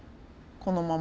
生のまま？